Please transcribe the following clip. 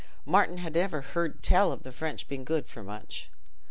Martin had never "heard tell" of the French being good for much.